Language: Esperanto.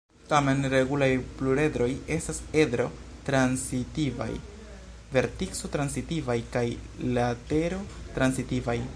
Tamen, regulaj pluredroj estas edro-transitivaj, vertico-transitivaj kaj latero-transitivaj.